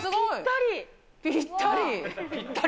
ぴったり！